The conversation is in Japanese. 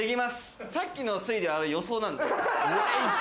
さっきの推理は予想なんで。